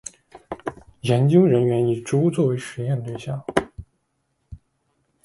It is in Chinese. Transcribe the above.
研究人员以猪作为实验对象